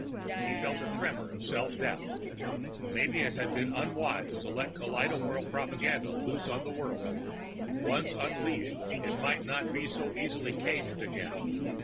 He felt a tremor of self doubt. Maybe it had been unwise to let kaleidowhirl propaganda loose on the world; once unleashed, it might not be so easily caged again.